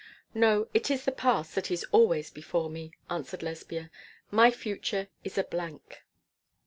'No, it is the past that is always before me,' answered Lesbia. 'My future is a blank.'